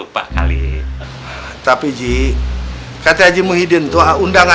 paku paku dicabutin dong